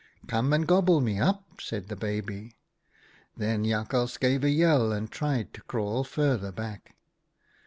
"' Come and gobble me up,' said the baby. " Then Jakhals gave a yell and tried to crawl further back.